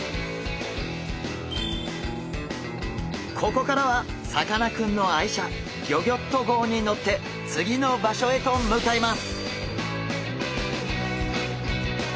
ここからはさかなクンの愛車ギョギョッと号に乗って次の場所へと向かいます。